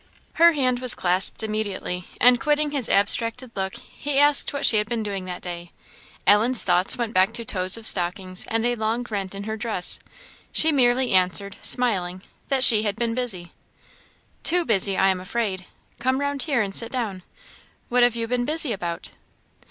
Her hand was clasped immediately, and, quitting his abstracted look, he asked what she had been doing that day. Ellen's thoughts went back to toes of stockings and a long rent in her dress; she merely answered, smiling, that she had been busy. "Too busy, I'm afraid. Come round here, and sit down. What have you been busy about?"